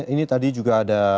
ini tadi juga ada